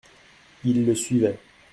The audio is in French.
Ils le suivaient.